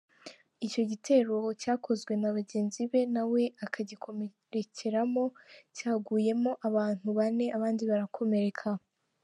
Icyo gitero cyakozwe n’abagenzi be nawe akagikomerekeramo cyaguyemo abantu bane abandi barakomereka.